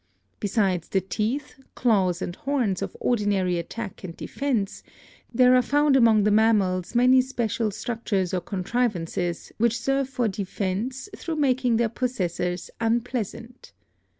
Besides the teeth, claws and horns of ordinary attack and defense, there are found among the mammals many special structures or contriv ances which serve for defense through making their pos sessors unpleasant.